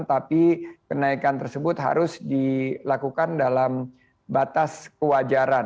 tapi kenaikan tersebut harus dilakukan dalam batas kewajaran